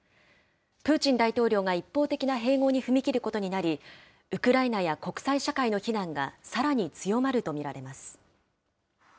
プーチン大統領が一方的な併合に踏み切ることになり、ウクライナや国際社会の非難がさらに強まると見られます。